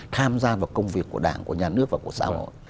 tham gia vào công việc của đảng của nhà nước và của xã hội